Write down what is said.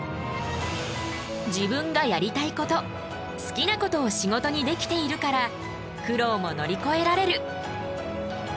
自分がやりたいこと好きなことを仕事にできているから苦労も乗りこえられる。